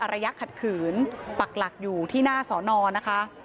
ขัดขืนปักหลักอยู่ที่หน้าสอนอนะคะ